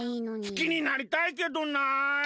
好きになりたいけどな。